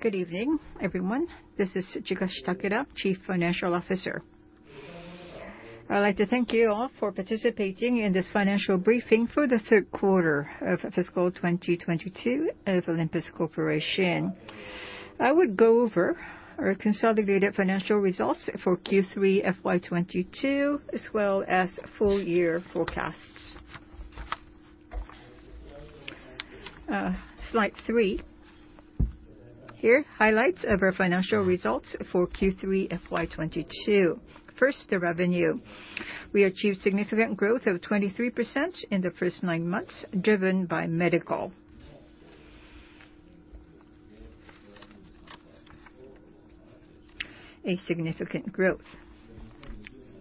Good evening, everyone. This is Chikashi Takeda, Chief Financial Officer. I'd like to thank you all for participating in this financial briefing for the third quarter of fiscal 2022 of Olympus Corporation. I would go over our consolidated financial results for Q3 FY 2022, as well as full year forecasts. Slide three. Here, highlights of our financial results for Q3 FY 2022. First, the revenue. We achieved significant growth of 23% in the first nine months, driven by medical.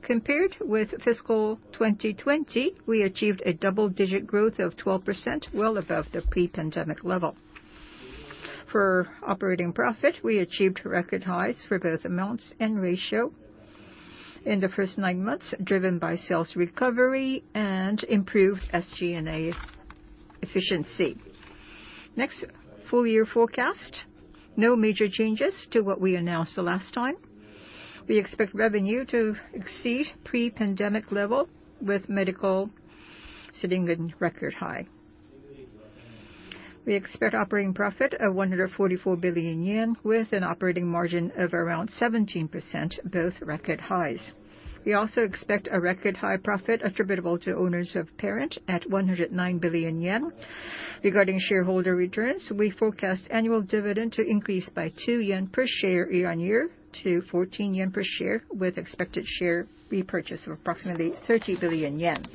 Compared with fiscal 2020, we achieved a double-digit growth of 12%, well above the pre-pandemic level. For operating profit, we achieved record highs for both amounts and ratio in the first nine months, driven by sales recovery and improved SG&A efficiency. Next, full year forecast. No major changes to what we announced the last time. We expect revenue to exceed pre-pandemic level, with medical sitting in record high. We expect operating profit of 144 billion yen with an operating margin of around 17%, both record highs. We also expect a record high profit attributable to owners of parent at 109 billion yen. Regarding shareholder returns, we forecast annual dividend to increase by 2 yen per share year-on-year to 14 yen per share, with expected share repurchase of approximately 30 billion yen.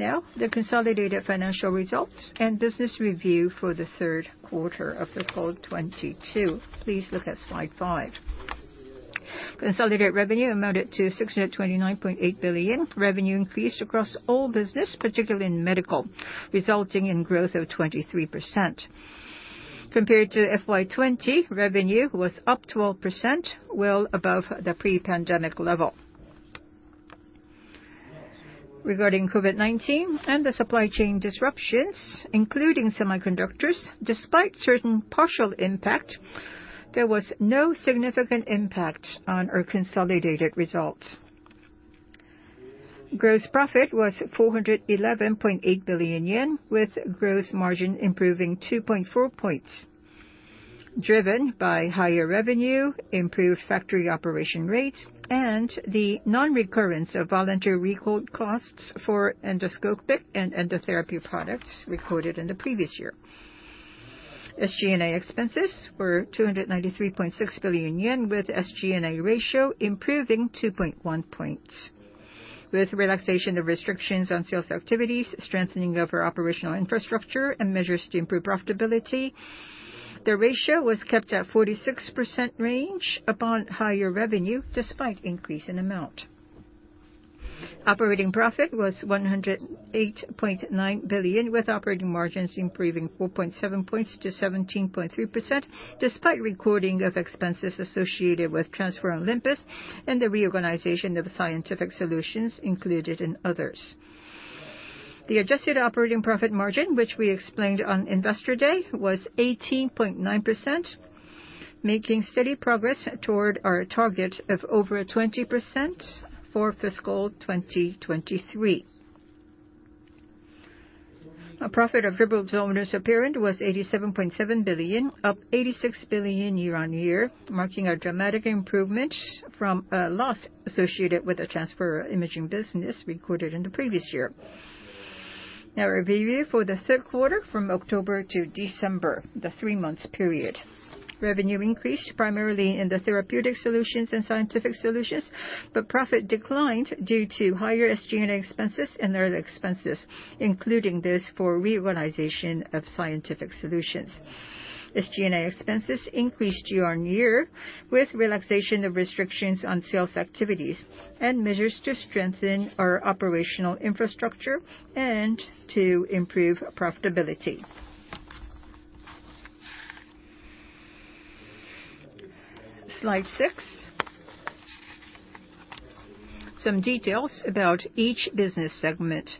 Now, the consolidated financial results and business review for the third quarter of FY 2022. Please look at slide five. Consolidated revenue amounted to 629.8 billion. Revenue increased across all business, particularly in medical, resulting in growth of 23%. Compared to FY 2020, revenue was up 12%, well above the pre-pandemic level. Regarding COVID-19 and the supply chain disruptions, including semiconductors, despite certain partial impact, there was no significant impact on our consolidated results. Gross profit was 411.8 billion yen, with gross margin improving 2.4 points, driven by higher revenue, improved factory operation rate, and the non-recurrence of voluntary recall costs for endoscopic and endotherapy products recorded in the previous year. SG&A expenses were 293.6 billion yen, with SG&A ratio improving 2.1 points. With relaxation of restrictions on sales activities, strengthening of our operational infrastructure, and measures to improve profitability, the ratio was kept at 46% range upon higher revenue, despite increase in amount. Operating profit was 108.9 billion, with operating margins improving 4.7 points to 17.3%, despite recording of expenses associated with Transform Olympus and the reorganization of Scientific Solutions included in others. The adjusted operating profit margin, which we explained on Investor Day, was 18.9%, making steady progress toward our target of over 20% for fiscal 2023. Our profit attributable to owners of parent was 87.7 billion, up 86 billion year-on-year, marking a dramatic improvement from a loss associated with the transfer of imaging business recorded in the previous year. Now review for the third quarter from October to December, the three-month period. Revenue increased primarily in the Therapeutic Solutions and Scientific Solutions, but profit declined due to higher SG&A expenses and other expenses, including those for reorganization of Scientific Solutions. SG&A expenses increased year-over-year with relaxation of restrictions on sales activities and measures to strengthen our operational infrastructure and to improve profitability. Slide six. Some details about each business segment.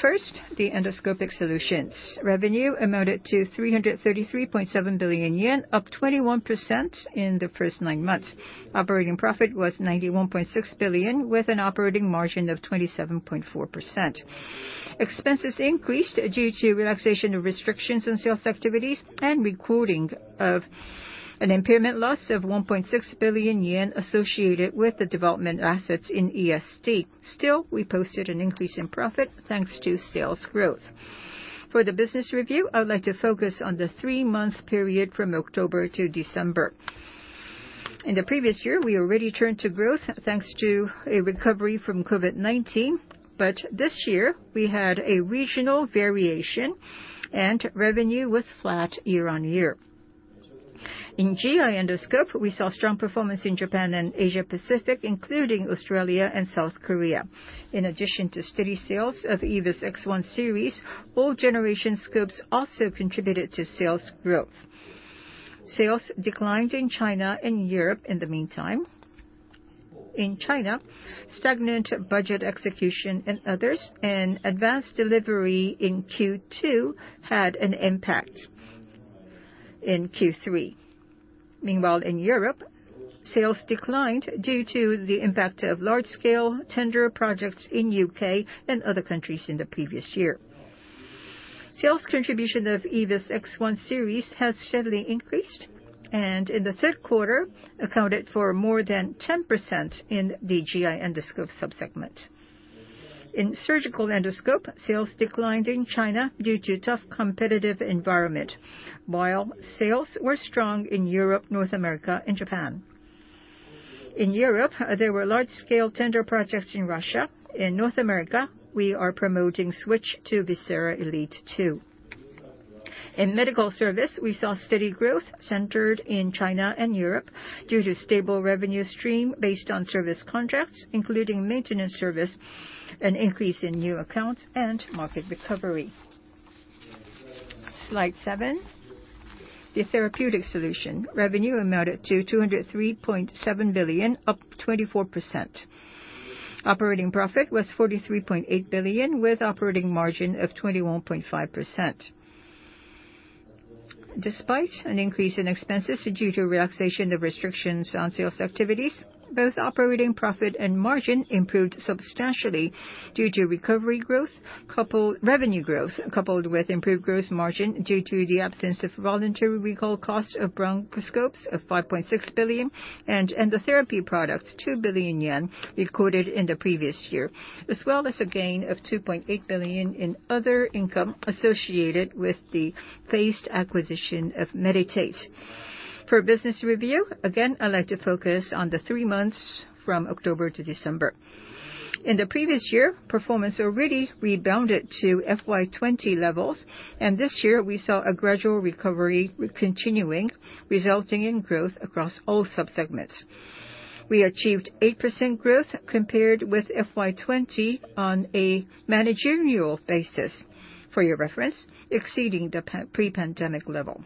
First, the Endoscopic Solutions. Revenue amounted to 333.7 billion yen, up 21% in the first nine months. Operating profit was 91.6 billion, with an operating margin of 27.4%. Expenses increased due to relaxation of restrictions in sales activities and recording of an impairment loss of 1.6 billion yen associated with the development assets in EST. Still, we posted an increase in profit thanks to sales growth. For the business review, I would like to focus on the three-month period from October to December. In the previous year, we already turned to growth thanks to a recovery from COVID-19, but this year, we had a regional variation, and revenue was flat year-on-year. In GI endoscope, we saw strong performance in Japan and Asia Pacific, including Australia and South Korea. In addition to steady sales of EVIS X1 series, all generation scopes also contributed to sales growth. Sales declined in China and Europe in the meantime. In China, stagnant budget execution and others, and advanced delivery in Q2 had an impact in Q3. Meanwhile, in Europe, sales declined due to the impact of large-scale tender projects in U.K. and other countries in the previous year. Sales contribution of EVIS X1 series has steadily increased, and in the third quarter accounted for more than 10% in the GI endoscope sub-segment. In surgical endoscope, sales declined in China due to tough competitive environment, while sales were strong in Europe, North America, and Japan. In Europe, there were large-scale tender projects in Russia. In North America, we are promoting switch to VISERA ELITE II. In medical service, we saw steady growth centered in China and Europe due to stable revenue stream based on service contracts, including maintenance service, an increase in new accounts, and market recovery. Slide seven. The therapeutic solution revenue amounted to JPY 203.7 billion, up 24%. Operating profit was JPY 43.8 billion, with operating margin of 21.5%. Despite an increase in expenses due to relaxation of restrictions on sales activities, both operating profit and margin improved substantially due to revenue growth coupled with improved gross margin due to the absence of voluntary recall costs of bronchoscopes of 5.6 billion and endotherapy products, 2 billion yen recorded in the previous year, as well as a gain of 2.8 billion in other income associated with the phased acquisition of Medi-Tate. For business review, again, I'd like to focus on the three months from October to December. In the previous year, performance already rebounded to FY 2020 levels, and this year we saw a gradual recovery continuing, resulting in growth across all sub-segments. We achieved 8% growth compared with FY 2020 on a managerial basis. For your reference, exceeding the pre-pandemic level.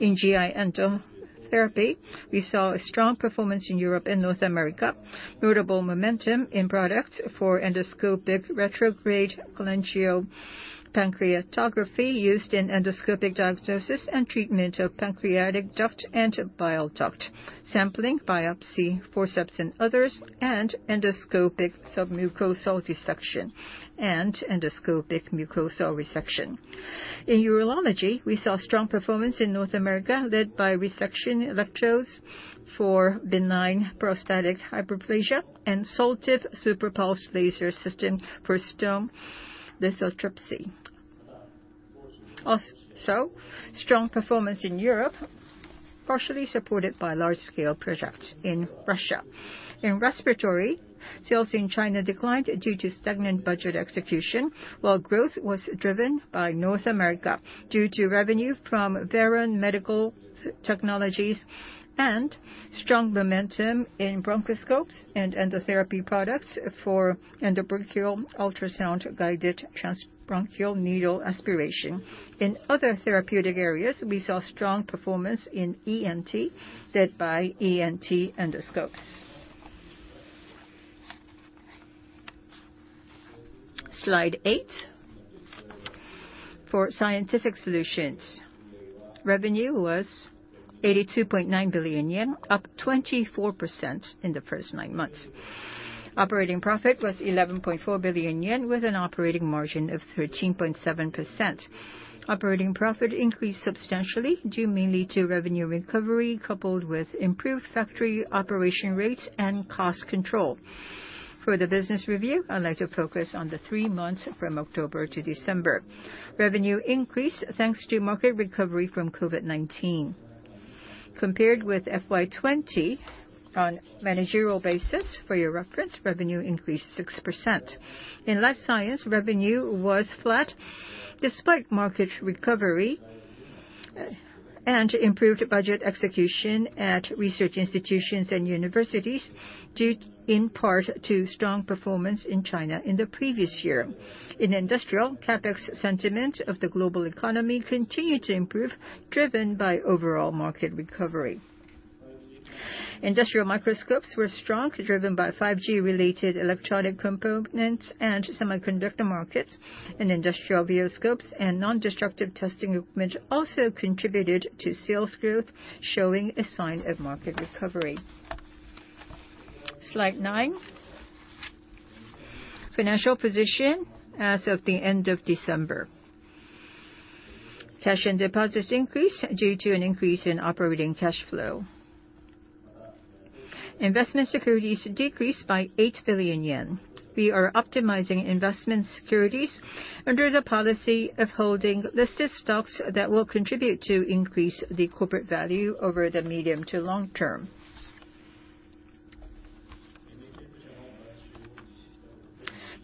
In GI endotherapy, we saw a strong performance in Europe and North America, notable momentum in products for endoscopic retrograde cholangiopancreatography used in endoscopic diagnosis and treatment of pancreatic duct and bile duct sampling, biopsy, forceps and others, and endoscopic submucosal dissection, and endoscopic mucosal resection. In urology, we saw strong performance in North America, led by resection electrodes for benign prostatic hyperplasia and Soltive SuperPulsed laser system for stone lithotripsy. Also, strong performance in Europe, partially supported by large-scale projects in Russia. In respiratory, sales in China declined due to stagnant budget execution, while growth was driven by North America due to revenue from Veran Medical Technologies and strong momentum in bronchoscopes and endotherapy products for endobronchial ultrasound-guided transbronchial needle aspiration. In other therapeutic areas, we saw strong performance in ENT, led by ENT endoscopes. Slide eight. For Scientific Solutions, revenue was 82.9 billion yen, up 24% in the first nine months. Operating profit was 11.4 billion yen with an operating margin of 13.7%. Operating profit increased substantially due mainly to revenue recovery coupled with improved factory operation rates and cost control. For the business review, I'd like to focus on the three months from October to December. Revenue increased thanks to market recovery from COVID-19. Compared with FY 2020 on managerial basis, for your reference, revenue increased 6%. In Life Science, revenue was flat despite market recovery and improved budget execution at research institutions and universities, due in part to strong performance in China in the previous year. In Industrial, CapEx sentiment of the global economy continued to improve, driven by overall market recovery. Industrial microscopes were strong, driven by 5G-related electronic components and semiconductor markets, and industrial view scopes and non-destructive testing equipment also contributed to sales growth, showing a sign of market recovery. Slide nine. Financial position as of the end of December. Cash and deposits increased due to an increase in operating cash flow. Investment securities decreased by 8 billion yen. We are optimizing investment securities under the policy of holding listed stocks that will contribute to increase the corporate value over the medium to long term.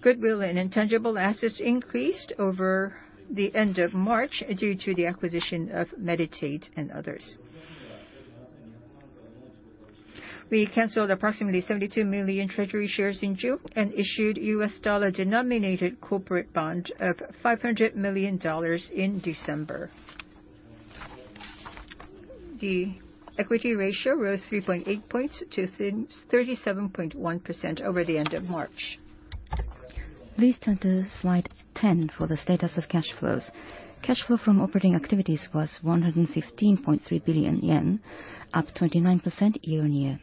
Goodwill and intangible assets increased over the end of March due to the acquisition of Medi-Tate and others. We canceled approximately 72 million treasury shares in June and issued US dollar-denominated corporate bond of $500 million in December. The equity ratio rose 3.8 points to 37.1% over the end of March. Please turn to slide 10 for the status of cash flows. Cash flow from operating activities was 115.3 billion yen, up 29% year-on-year.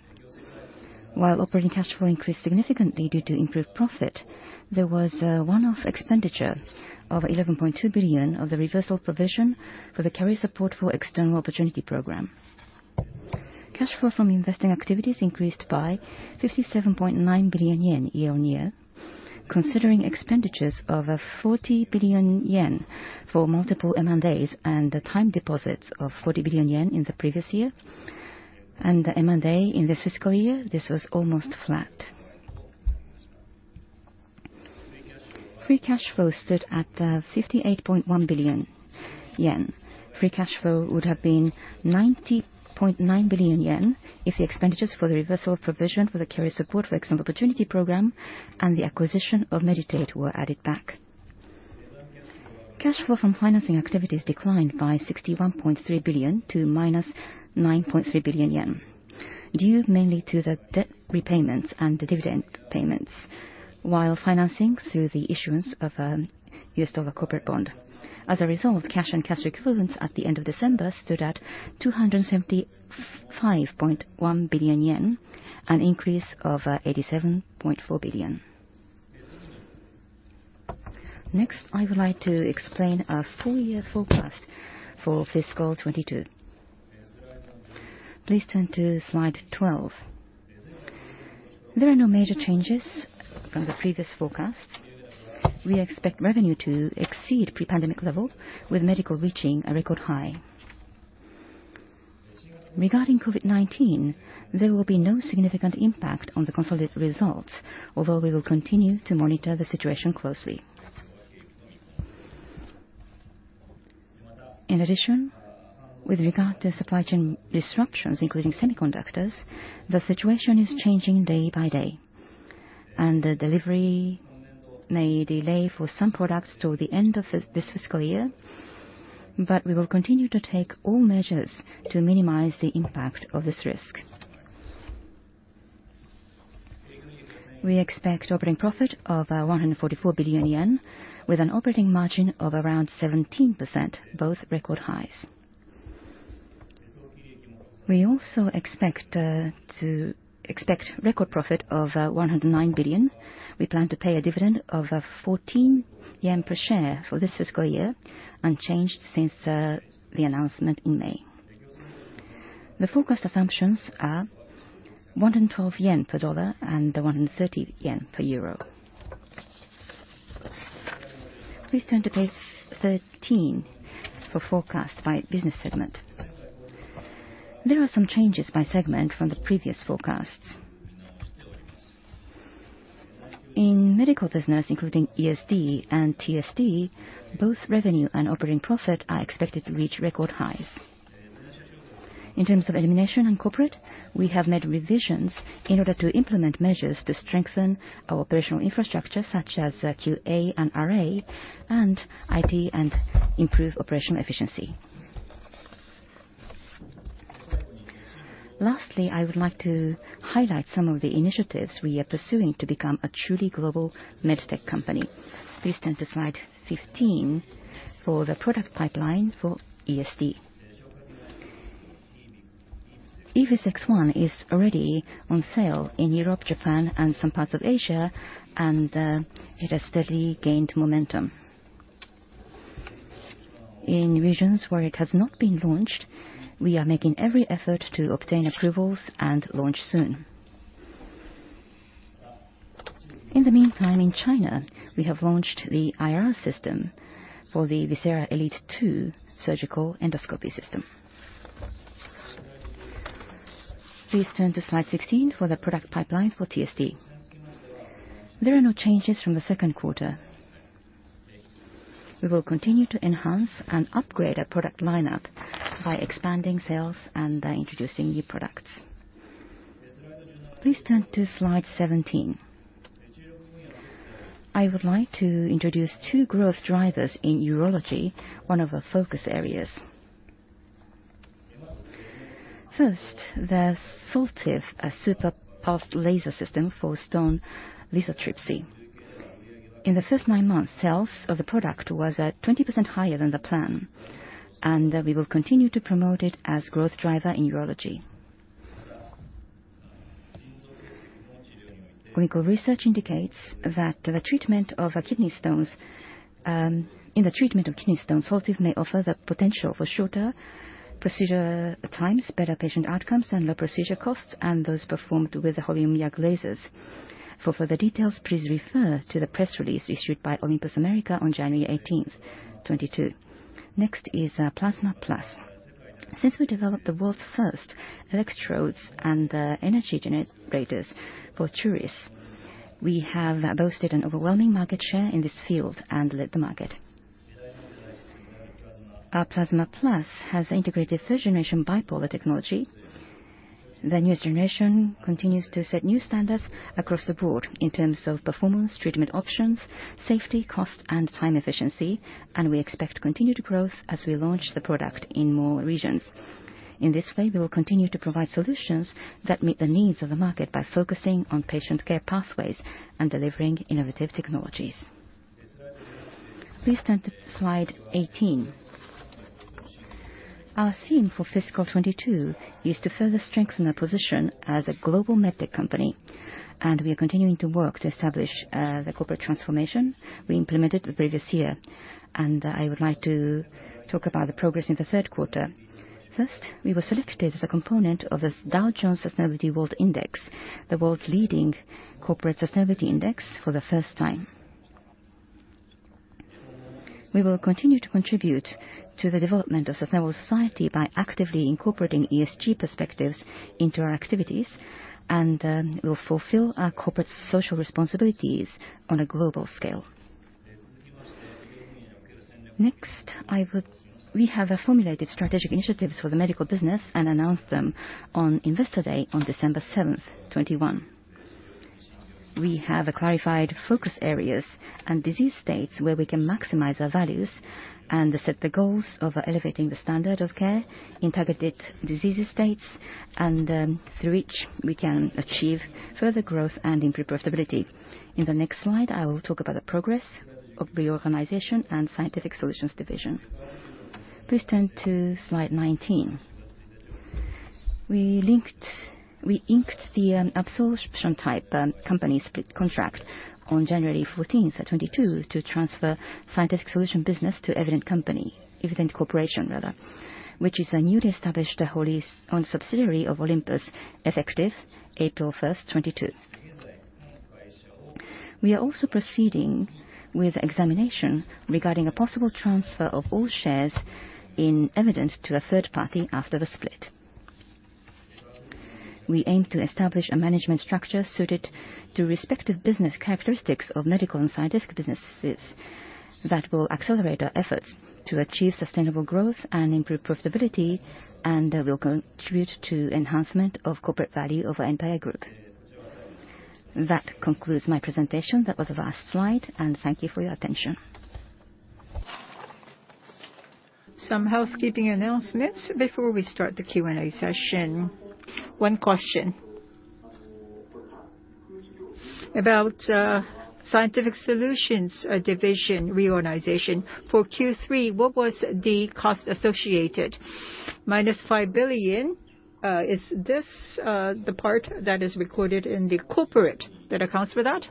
While operating cash flow increased significantly due to improved profit, there was one-off expenditure of 11.2 billion of the reversal provision for the carrier support for external opportunity program. Cash flow from investing activities increased by 57.9 billion yen year-on-year, considering expenditures of 40 billion yen for multiple M&As and the time deposits of 40 billion yen in the previous year. The M&A in this fiscal year, this was almost flat. Free cash flow stood at 58.1 billion yen. Free cash flow would have been 90.9 billion yen if the expenditures for the reversal of provision for the carrier support for external opportunity program and the acquisition of Medi-Tate were added back. Cash flow from financing activities declined by 61.3 billion to -9.3 billion yen, due mainly to the debt repayments and the dividend payments, while financing through the issuance of U.S. dollar corporate bond. As a result, cash and cash equivalents at the end of December stood at 275.1 billion yen, an increase of 87.4 billion. Next, I would like to explain our full year forecast for fiscal 2022. Please turn to slide 12. There are no major changes from the previous forecast. We expect revenue to exceed pre-pandemic level, with Medical reaching a record high. Regarding COVID-19, there will be no significant impact on the consolidated results, although we will continue to monitor the situation closely. In addition, with regard to supply chain disruptions, including semiconductors, the situation is changing day by day, and deliveries may be delayed for some products until the end of this fiscal year. We will continue to take all measures to minimize the impact of this risk. We expect operating profit of 144 billion yen with an operating margin of around 17%, both record highs. We also expect record profit of 109 billion. We plan to pay a dividend of 14 yen per share for this fiscal year, unchanged since the announcement in May. The forecast assumptions are 112 yen per dollar and 113 yen per euro. Please turn to page 13 for forecast by business segment. There are some changes by segment from the previous forecasts. In medical business, including ESD and TSD, both revenue and operating profit are expected to reach record highs. In terms of elimination and corporate, we have made revisions in order to implement measures to strengthen our operational infrastructure, such as QA/RA and IT and improve operational efficiency. Lastly, I would like to highlight some of the initiatives we are pursuing to become a truly global med tech company. Please turn to slide 15 for the product pipeline for ESD. EVIS X1 is already on sale in Europe, Japan, and some parts of Asia, and it has steadily gained momentum. In regions where it has not been launched, we are making every effort to obtain approvals and launch soon. In the meantime, in China, we have launched the IR system for the VISERA ELITE II surgical endoscopy system. Please turn to slide 16 for the product pipeline for TSD. There are no changes from the second quarter. We will continue to enhance and upgrade our product lineup by expanding sales and introducing new products. Please turn to slide 17. I would like to introduce two growth drivers in urology, one of our focus areas. First, the Soltive, a super pulsed laser system for stone lithotripsy. In the first nine months, sales of the product was at 20% higher than the plan, and we will continue to promote it as growth driver in urology. Clinical research indicates that the treatment of kidney stones, Soltive may offer the potential for shorter procedure times, better patient outcomes, and lower procedure costs than those performed with Holmium:YAG lasers. For further details, please refer to the press release issued by Olympus America on January 18, 2022. Next is PlasmaButton. Since we developed the world's first electrodes and energy generators for TURis, we have boasted an overwhelming market share in this field and led the market. Our PlasmaButton has integrated third generation bipolar technology. The newest generation continues to set new standards across the board in terms of performance, treatment options, safety, cost, and time efficiency. We expect continued growth as we launch the product in more regions. In this way, we will continue to provide solutions that meet the needs of the market by focusing on patient care pathways and delivering innovative technologies. Please turn to slide 18. Our theme for fiscal 2022 is to further strengthen our position as a global med tech company. We are continuing to work to establish the corporate transformation we implemented the previous year. I would like to talk about the progress in the third quarter. First, we were selected as a component of the Dow Jones Sustainability World Index, the world's leading corporate sustainability index, for the first time. We will continue to contribute to the development of sustainable society by actively incorporating ESG perspectives into our activities, and we'll fulfill our corporate social responsibilities on a global scale. We have formulated strategic initiatives for the medical business and announced them on Investor Day on December 7, 2021. We have clarified focus areas and disease states where we can maximize our values and set the goals of elevating the standard of care in targeted disease states, and through which we can achieve further growth and improved profitability. In the next slide, I will talk about the progress of reorganization and Scientific Solutions Division. Please turn to slide 19. We inked the absorption-type company split contract on January 14, 2022 to transfer Scientific Solutions business to Evident Corporation, which is a newly established wholly-owned subsidiary of Olympus, effective April 1, 2022. We are also proceeding with examination regarding a possible transfer of all shares in Evident to a third party after the split. We aim to establish a management structure suited to respective business characteristics of medical and scientific businesses that will accelerate our efforts to achieve sustainable growth and improve profitability, and will contribute to enhancement of corporate value of our entire group. That concludes my presentation. That was the last slide, and thank you for your attention. Some housekeeping announcements before we start the Q&A session. One question. About Scientific Solutions Division reorganization. For Q3, what was the cost associated? -5 billion. Is this the part that is recorded in the corporate that accounts for that?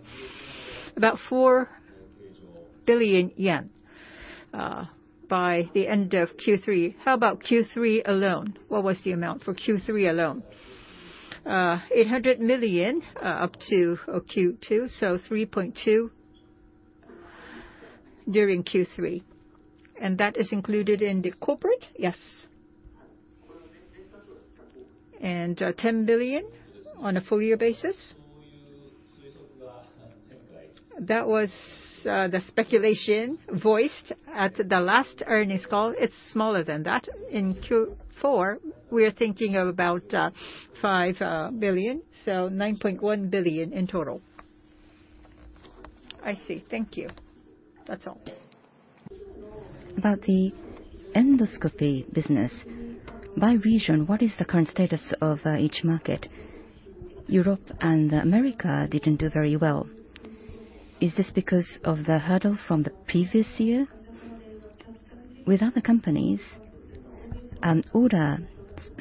About 4 billion yen by the end of Q3. How about Q3 alone? What was the amount for Q3 alone? 800 million up to Q2, so 3.2 during Q3. That is included in the corporate? Yes. 10 billion on a full year basis? That was the speculation voiced at the last earnings call. It's smaller than that. In Q4, we are thinking of about 5 billion, so 9.1 billion in total. I see. Thank you. That's all. About the endoscopy business. By region, what is the current status of each market? Europe and America didn't do very well. Is this because of the hurdle from the previous year? With other companies, order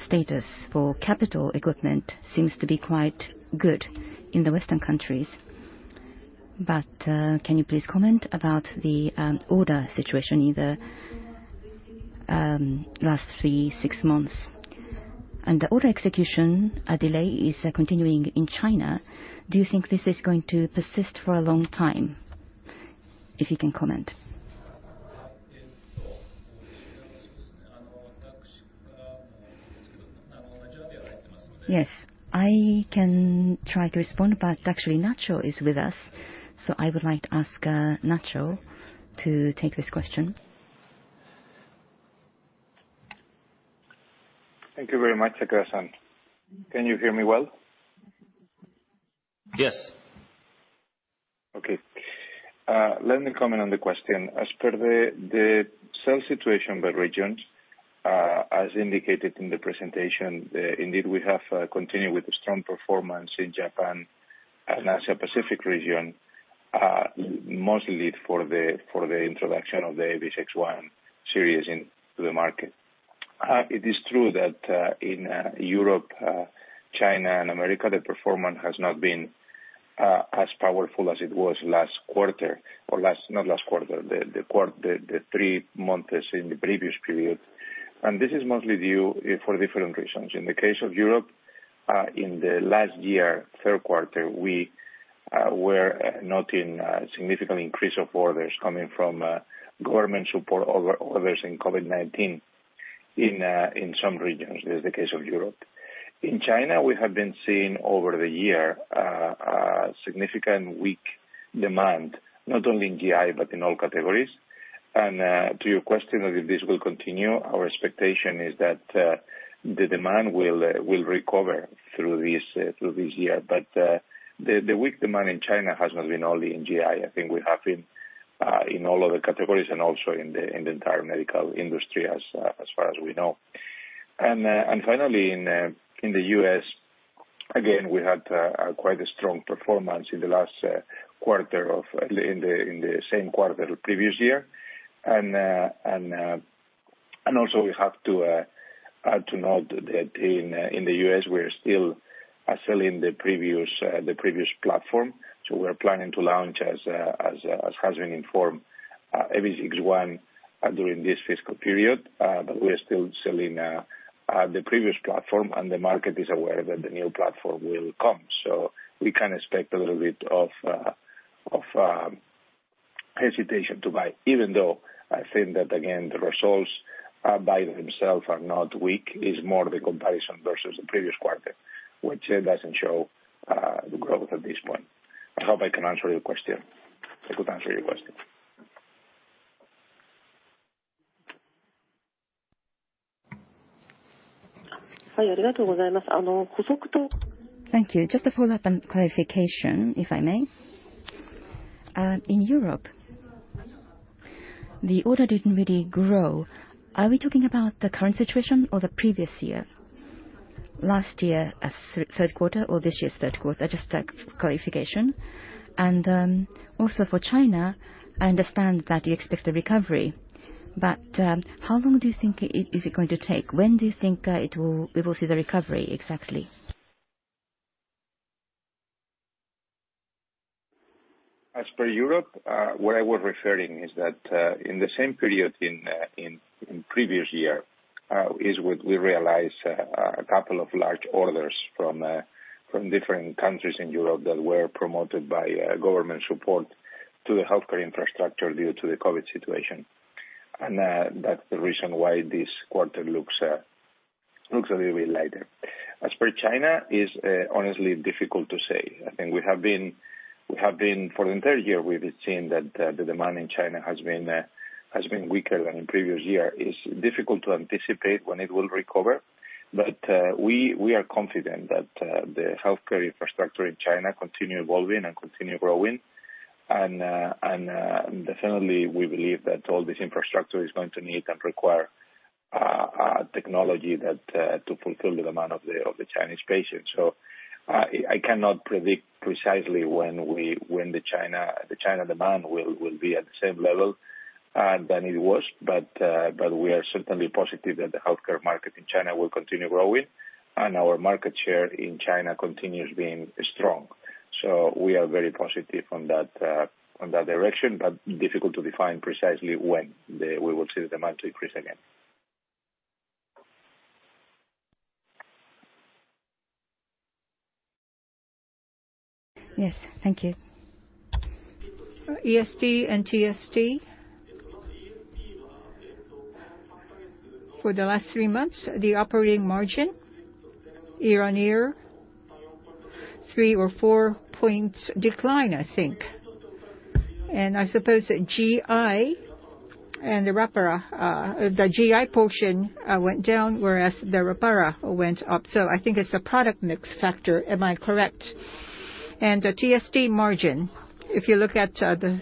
status for capital equipment seems to be quite good in the Western countries. Can you please comment about the order situation in the last three, six months? The order execution delay is continuing in China. Do you think this is going to persist for a long time? If you can comment. Yes, I can try to respond, but actually Nacho is with us, so I would like to ask Nacho to take this question. Thank you very much, Takeda-san. Can you hear me well? Yes. Okay. Let me comment on the question. As per the sales situation by regions, as indicated in the presentation, indeed we have continued with a strong performance in Japan and Asia Pacific region, mostly for the introduction of the EVIS X1 series into the market. It is true that in Europe, China and America, the performance has not been as powerful as it was last quarter. Not last quarter, the quarter, the three months in the previous period. This is mostly due for different reasons. In the case of Europe, in the last year, third quarter, we were noting a significant increase of orders coming from government support or orders in COVID-19 in some regions, as the case of Europe. In China, we have been seeing over the year a significantly weak demand, not only in GI, but in all categories. To your question of if this will continue, our expectation is that the demand will recover through this year. The weak demand in China has not been only in GI. I think we have been in all other categories and also in the entire medical industry as far as we know. Finally, in the U.S., again, we had quite a strong performance in the same quarter of the previous year. Also, we have to note that in the U.S. we're still selling the previous platform. We're planning to launch, as has been informed, ABXG1 during this fiscal period. We're still selling the previous platform and the market is aware that the new platform will come. We can expect a little bit of hesitation to buy, even though I think that again, the results by themselves are not weak. It's more the comparison versus the previous quarter, which doesn't show the growth at this point. I hope I can answer your question. I could answer your question. Thank you. Just a follow-up and clarification, if I may. In Europe, the order didn't really grow. Are we talking about the current situation or the previous year? Last year, third quarter or this year's third quarter? Just that clarification. Also, for China, I understand that you expect a recovery, but how long do you think it is going to take? When do you think we will see the recovery exactly? As per Europe, what I was referring is that in the same period in previous year what we realized a couple of large orders from different countries in Europe that were promoted by government support to the healthcare infrastructure due to the COVID situation. That's the reason why this quarter looks a little bit lighter. As per China, it is honestly difficult to say. I think we have been for the entire year, we've been seeing that the demand in China has been weaker than in previous year. It's difficult to anticipate when it will recover. We are confident that the healthcare infrastructure in China continue evolving and continue growing. Definitely we believe that all this infrastructure is going to need and require technology to fulfill the demand of the Chinese patients. I cannot predict precisely when the Chinese demand will be at the same level than it was. We are certainly positive that the healthcare market in China will continue growing, and our market share in China continues being strong. We are very positive on that direction, but difficult to define precisely when we will see the demand to increase again. Yes. Thank you. ESD and TSD. For the last three months, the operating margin year-on-year three or four-point decline, I think. I suppose that GI and the Repair, the GI portion went down, whereas the Repair went up. I think it's the product mix factor. Am I correct? The TSD margin, if you look at the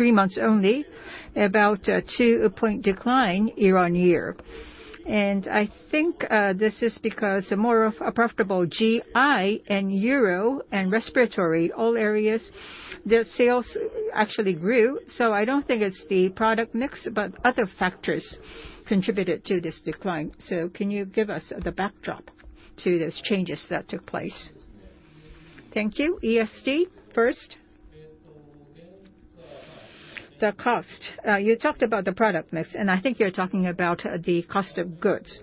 three months only, about two-point decline year-on-year. I think this is because more of a profitable GI and urology and respiratory, all areas, the sales actually grew. I don't think it's the product mix, but other factors contributed to this decline. Can you give us the backdrop to these changes that took place? Thank you. ESD first. The cost. You talked about the product mix, and I think you're talking about the cost of goods,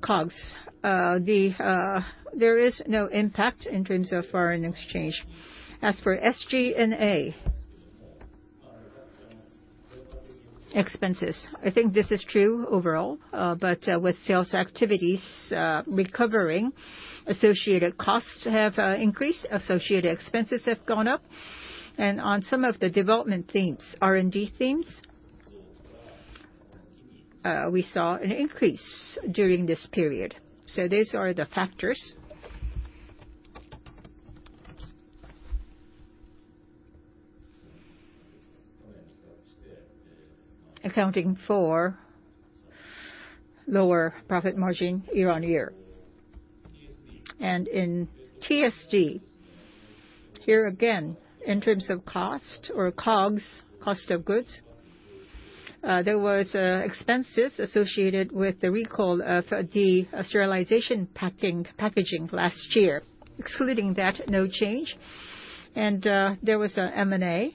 COGS. There is no impact in terms of foreign exchange. As for SG&A expenses, I think this is true overall. With sales activities recovering, associated costs have increased, associated expenses have gone up. On some of the development themes, R&D themes, we saw an increase during this period. These are the factors accounting for lower profit margin year-on-year. In TSD, here again, in terms of cost or COGS, cost of goods, there was expenses associated with the recall of the sterilization packaging last year. Excluding that, no change. There was a M&A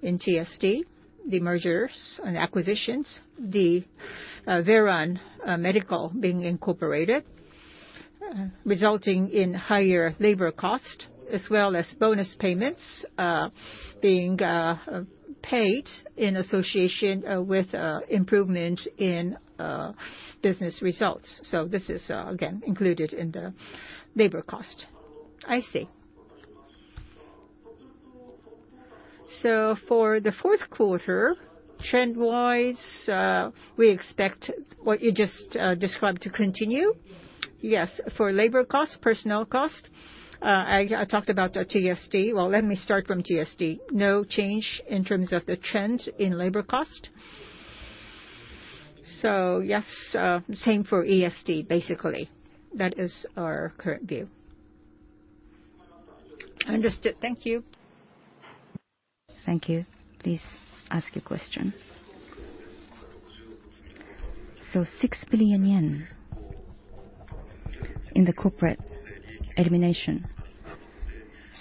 in TSD, the mergers and acquisitions. Veran Medical Technologies being incorporated, resulting in higher labor cost as well as bonus payments being paid in association with improvement in business results. This is again included in the labor cost. I see. For the fourth quarter, trend-wise, we expect what you just described to continue. Yes, for labor cost, personnel cost, I talked about TSD. Well, let me start from TSD. No change in terms of the trend in labor cost. Yes, same for ESD, basically. That is our current view. Understood. Thank you. Please ask your question. JPY 6 billion in the corporate elimination.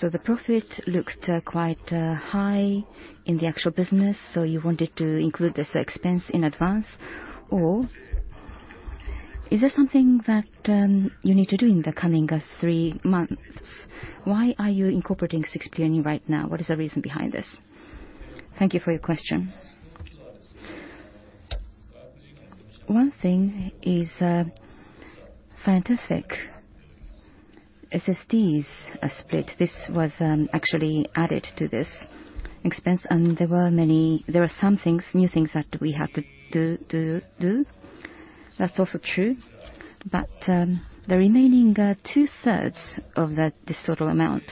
The profit looks quite high in the actual business, so you wanted to include this expense in advance? Or is there something that you need to do in the coming three months? Why are you incorporating 6 billion right now? What is the reason behind this? Thank you for your question. One thing is Scientific SSDs are split. This was actually added to this expense, and there are some new things that we have to do. That's also true. The remaining two-thirds of that. This total amount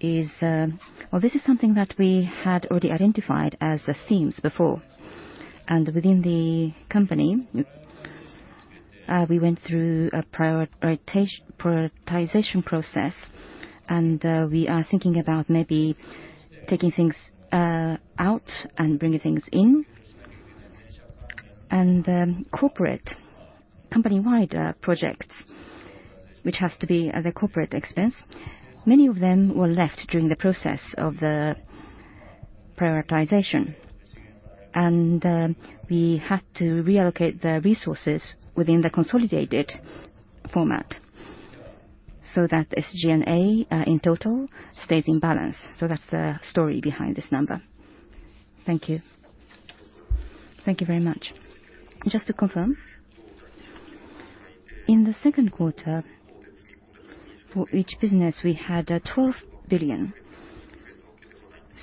is. Well, this is something that we had already identified as themes before. Within the company, we went through a prioritization process, and we are thinking about maybe taking things out and bringing things in. Corporate company-wide projects, which has to be at a corporate expense, many of them were left during the process of the prioritization. We had to reallocate the resources within the consolidated format so that SG&A in total stays in balance. That's the story behind this number. Thank you. Thank you very much. Just to confirm, in the second quarter, for each business, we had 12 billion.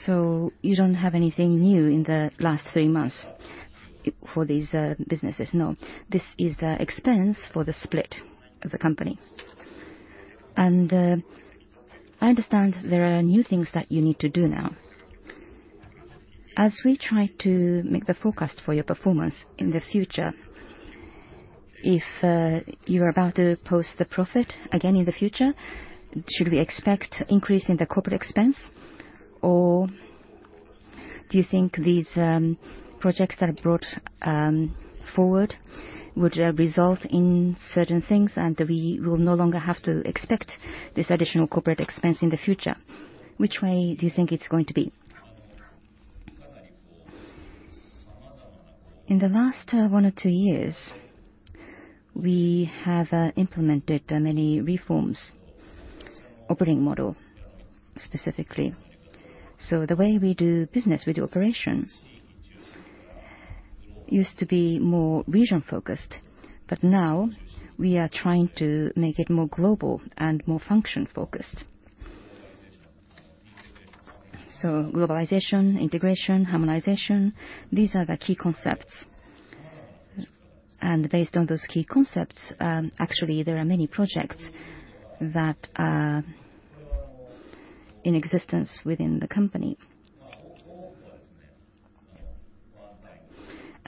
You don't have anything new in the last three months for these businesses, no? This is the expense for the split of the company. I understand there are new things that you need to do now. As we try to make the forecast for your performance in the future, if you're about to post the profit again in the future, should we expect increase in the corporate expense? Or do you think these projects that are brought forward would result in certain things and we will no longer have to expect this additional corporate expense in the future? Which way do you think it's going to be? In the last one or two years, we have implemented many reforms, operating model specifically. The way we do business with operations used to be more region-focused, but now we are trying to make it more global and more function-focused. Globalization, integration, harmonization, these are the key concepts. Based on those key concepts, actually, there are many projects that are in existence within the company.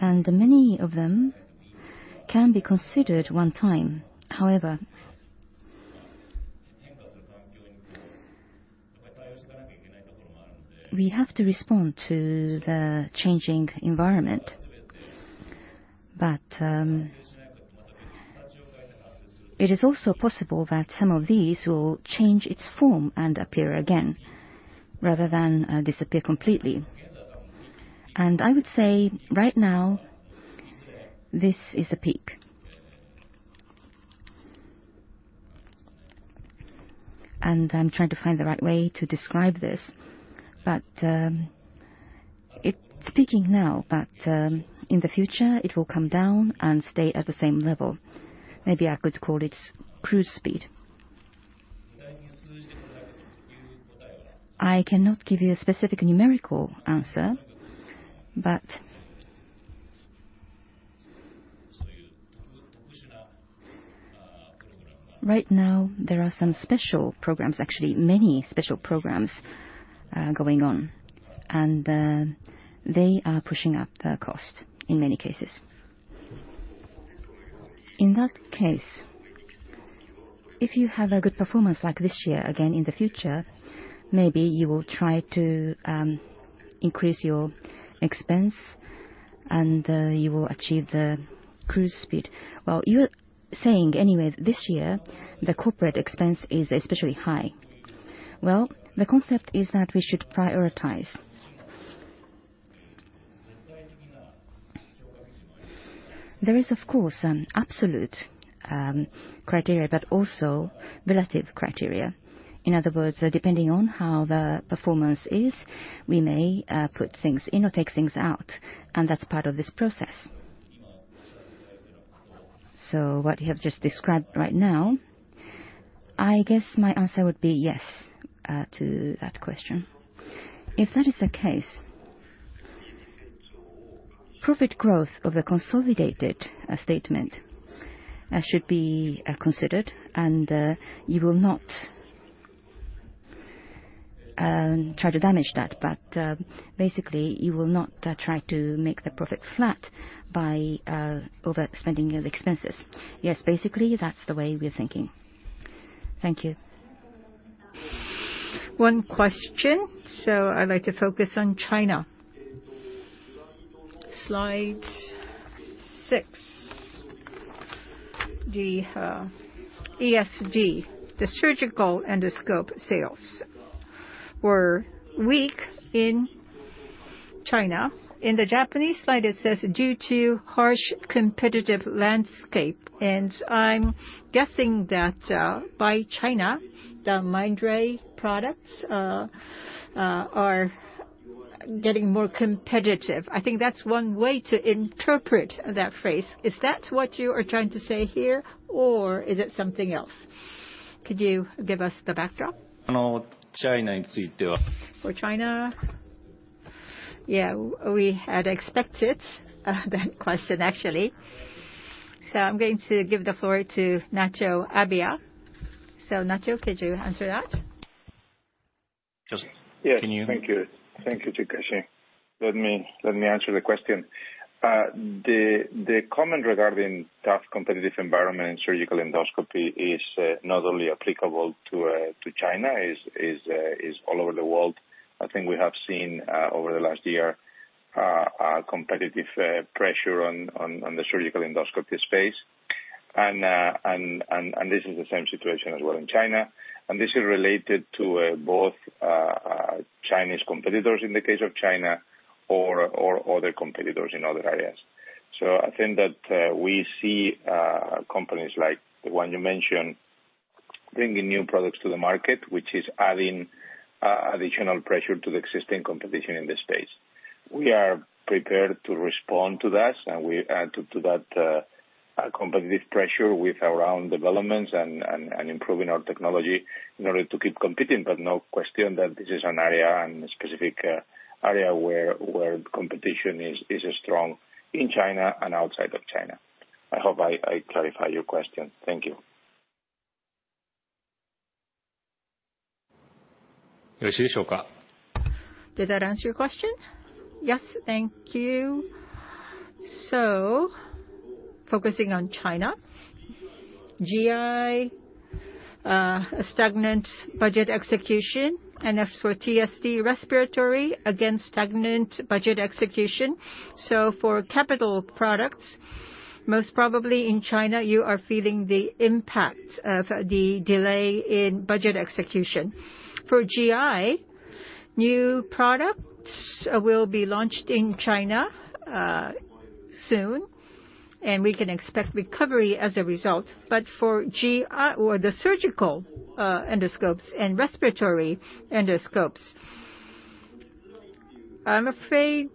Many of them can be considered one time. However, we have to respond to the changing environment. It is also possible that some of these will change its form and appear again rather than disappear completely. I would say right now, this is a peak. I'm trying to find the right way to describe this, but it's peaking now, but in the future, it will come down and stay at the same level. Maybe I could call it cruise speed. I cannot give you a specific numerical answer, but right now there are some special programs, actually many special programs, going on, and they are pushing up the cost in many cases. In that case, if you have a good performance like this year again in the future, maybe you will try to increase your expense and you will achieve the cruise speed. Well, you're saying anyways this year, the corporate expense is especially high. Well, the concept is that we should prioritize. There is of course absolute criteria, but also relative criteria. In other words, depending on how the performance is, we may put things in or take things out, and that's part of this process. What you have just described right now, I guess my answer would be yes to that question. If that is the case, profit growth of the consolidated statement should be considered and you will not try to damage that, but basically you will not try to make the profit flat by overspending your expenses. Yes, basically, that's the way we're thinking. Thank you. One question. I'd like to focus on China. Slide six. The ESD, the surgical endoscope sales were weak in China. In the Japanese slide, it says, "Due to harsh competitive landscape." I'm guessing that in China, the Mindray products are getting more competitive. I think that's one way to interpret that phrase. Is that what you are trying to say here, or is it something else? Could you give us the backdrop? For China, yeah, we had expected that question actually. I'm going to give the floor to Nacho Abia. Nacho, could you answer that? Yes, thank you. Thank you, Chikashi. Let me answer the question. The comment regarding tough competitive environment in surgical endoscopy is not only applicable to China, is all over the world. I think we have seen over the last year competitive pressure on the surgical endoscopy space. This is the same situation as well in China, and this is related to both Chinese competitors in the case of China or other competitors in other areas. I think that we see companies like the one you mentioned bringing new products to the market, which is adding additional pressure to the existing competition in this space. We are prepared to respond to that, and we add to that competitive pressure with our own developments and improving our technology in order to keep competing. No question that this is an area and a specific area where competition is strong in China and outside of China. I hope I clarified your question. Thank you. Did that answer your question? Yes. Thank you. Focusing on China, GI, stagnant budget execution, and as for TSD respiratory, again, stagnant budget execution. For capital products, most probably in China you are feeling the impact of the delay in budget execution. For GI, new products will be launched in China, soon, and we can expect recovery as a result. For GI or the surgical, endoscopes and respiratory endoscopes, I'm afraid,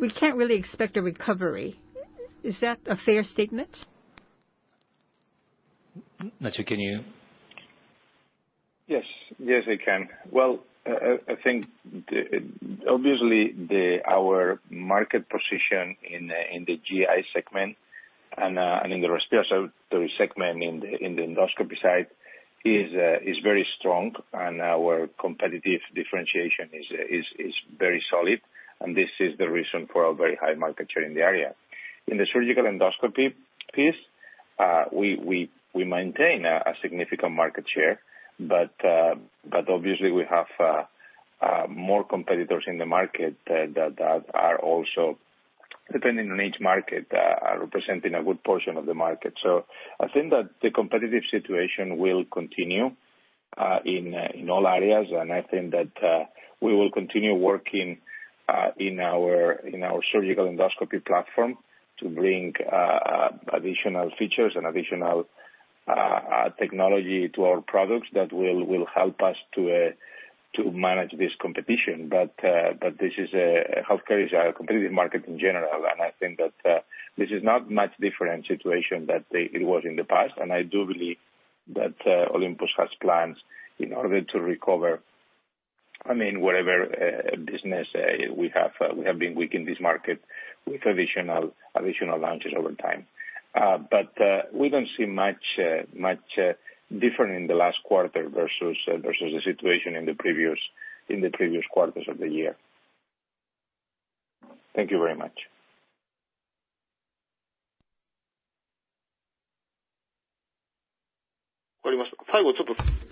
we can't really expect a recovery. Is that a fair statement? Nacho, can you- Yes. Yes, I can. Well, I think, obviously our market position in the GI segment and in the respiratory segment in the endoscopy side is very strong and our competitive differentiation is very solid, and this is the reason for our very high market share in the area. In the surgical endoscopy piece, we maintain a significant market share, but obviously we have more competitors in the market that are also depending on each market are representing a good portion of the market. I think that the competitive situation will continue in all areas. I think that we will continue working in our surgical endoscopy platform to bring additional features and additional technology to our products that will help us to manage this competition. Healthcare is a competitive market in general. I think that this is not much different situation that it was in the past. I do believe that Olympus has plans in order to recover, I mean, whatever business we have, we have been weak in this market with additional launches over time. We don't see much different in the last quarter versus the situation in the previous quarters of the year. Thank you very much.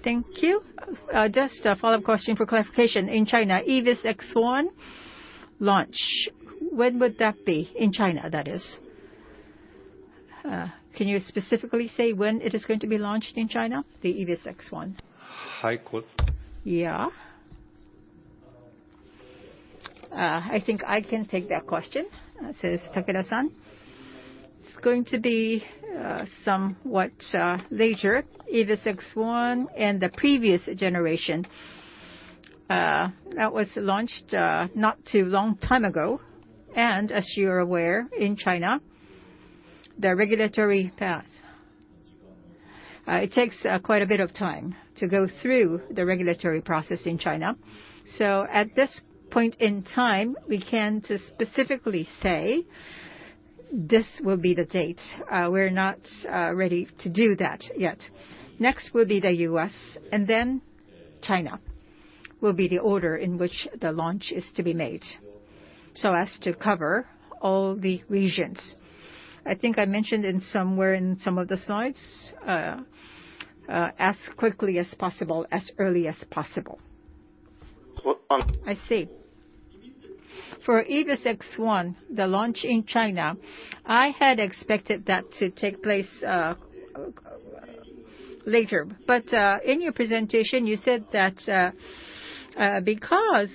Thank you. Just a follow-up question for clarification. In China, EVIS X1 launch, when would that be? In China, that is. Can you specifically say when it is going to be launched in China, the EVIS X1? Yeah. I think I can take that question," says Takeda-san. It's going to be somewhat later. EVIS X1 and the previous generation That was launched not too long ago. As you're aware, in China, the regulatory path, it takes quite a bit of time to go through the regulatory process in China. So at this point in time, we can't specifically say, "This will be the date." We're not ready to do that yet. Next will be the U.S. and then China will be the order in which the launch is to be made so as to cover all the regions. I think I mentioned somewhere in some of the slides as quickly as possible, as early as possible. I see. For EVIS X1, the launch in China, I had expected that to take place later. In your presentation you said that, because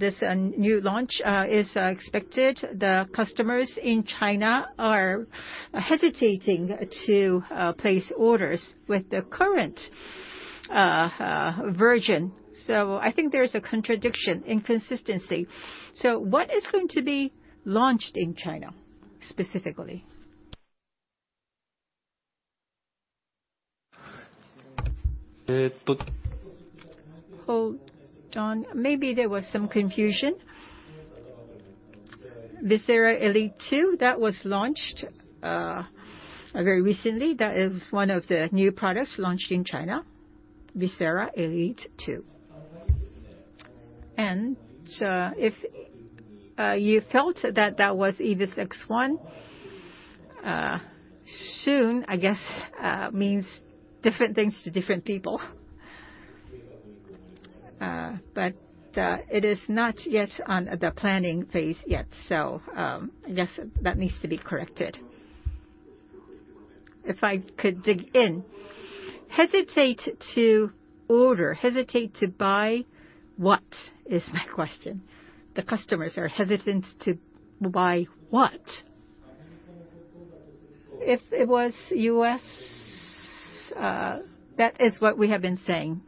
this new launch is expected, the customers in China are hesitating to place orders with the current version. I think there is a contradiction, inconsistency. What is going to be launched in China specifically? Hold on. Maybe there was some confusion. VISERA ELITE II, that was launched very recently. That is one of the new products launched in China, VISERA ELITE II. If you felt that that was EVIS X1, soon, I guess, means different things to different people. It is not yet on the planning phase yet, yes, that needs to be corrected. If I could dig in. Hesitate to buy what, is my question. The customers are hesitant to buy what? If it was U.S., that is what we have been saying.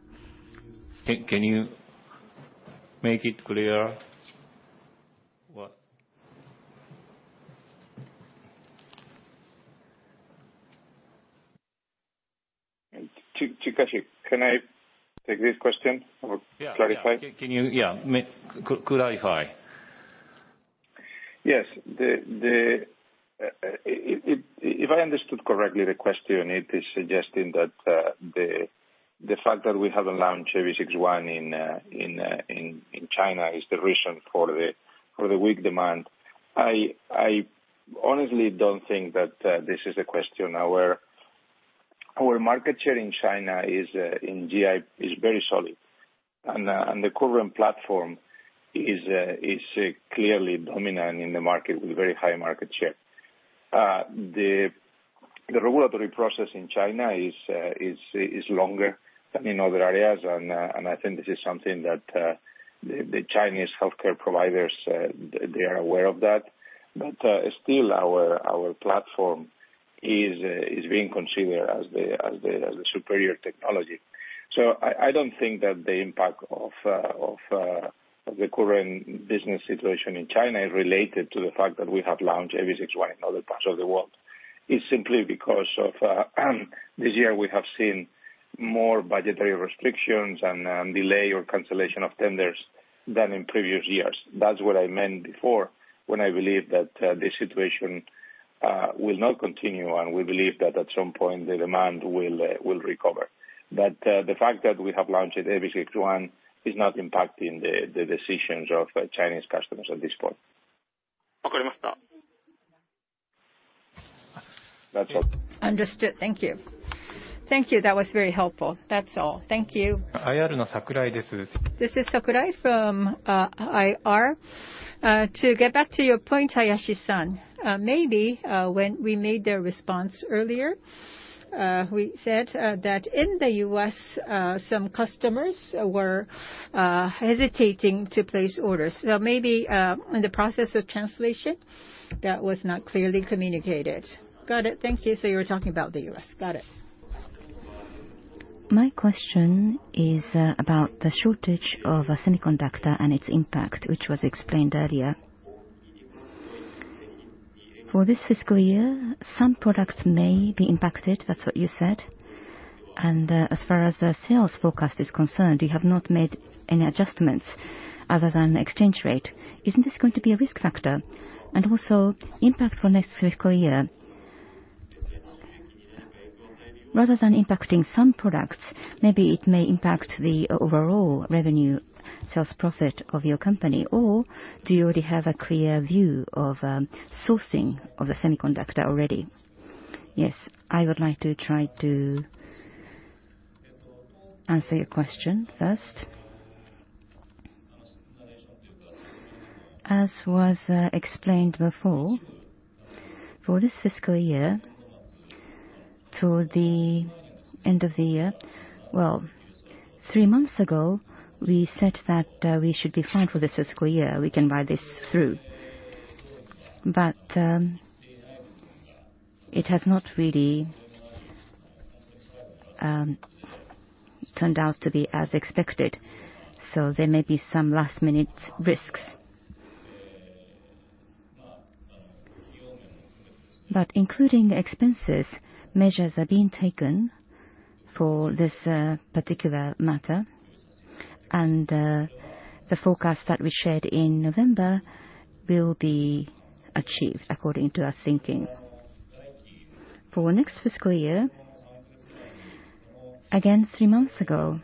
Can you make it clear what— Chikashi, can I take this question or clarify? Yeah. Can you clarify? Yes. If I understood correctly the question, it is suggesting that the fact that we haven't launched EVIS X1 in China is the reason for the weak demand. I honestly don't think that this is the question. Our market share in China in GI is very solid, and the current platform is clearly dominant in the market with very high market share. The regulatory process in China is longer than in other areas, and I think this is something that the Chinese healthcare providers they are aware of that. Still our platform is being considered as the superior technology. I don't think that the impact of the current business situation in China is related to the fact that we have launched EVIS X1 in other parts of the world. It's simply because of this year we have seen more budgetary restrictions and delay or cancellation of tenders than in previous years. That's what I meant before when I believe that this situation will not continue and we believe that at some point the demand will recover. The fact that we have launched EVIS X1 is not impacting the decisions of Chinese customers at this point. Understood. Thank you. That was very helpful. That's all. Thank you. This is Sakurai from IR. To get back to your point, Hayashi-san. Maybe when we made the response earlier, we said that in the U.S., some customers were hesitating to place orders. Maybe in the process of translation that was not clearly communicated. Got it. Thank you. You were talking about the U.S. Got it. My question is about the shortage of a semiconductor and its impact, which was explained earlier. For this fiscal year, some products may be impacted. That's what you said. As far as the sales forecast is concerned, you have not made any adjustments other than exchange rate. Isn't this going to be a risk factor and also impact for next fiscal year? Rather than impacting some products, maybe it may impact the overall revenue sales profit of your company. Or do you already have a clear view of sourcing of the semiconductor already? Yes, I would like to try to answer your question first. As was explained before, for this fiscal year to the end of the year. Well, three months ago we said that we should be fine for this fiscal year. We can ride this through. It has not really turned out to be as expected, so there may be some last-minute risks. Including the expenses, measures are being taken for this particular matter. The forecast that we shared in November will be achieved according to our thinking. For next fiscal year, again, three months ago,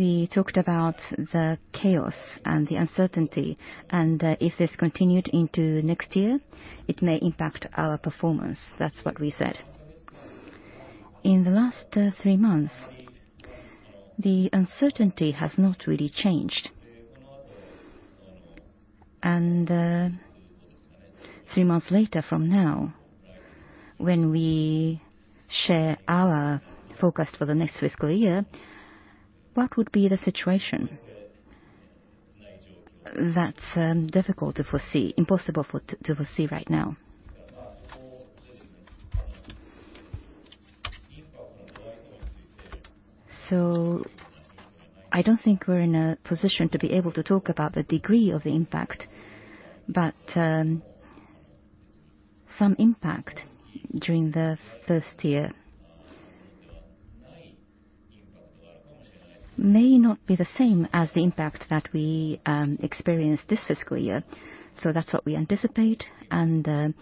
we talked about the chaos and the uncertainty, and if this continued into next year, it may impact our performance. That's what we said. In the last three months, the uncertainty has not really changed. Three months later from now, when we share our forecast for the next fiscal year, what would be the situation? That's difficult to foresee, impossible to foresee right now. I don't think we're in a position to be able to talk about the degree of impact. Some impact during the first year may not be the same as the impact that we experienced this fiscal year. That's what we anticipate, and